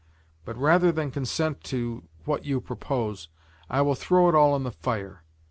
But rather than consent to what you propose, I will throw it all in the fire.